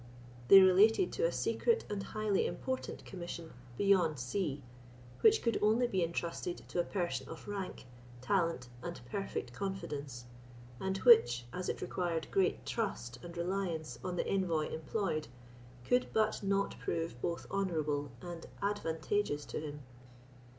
They related to a secret and highly important commission beyond sea, which could only be entrusted to a person of rank, talent, and perfect confidence, and which, as it required great trust and reliance on the envoy employed, could but not prove both honourable and advantageous to him.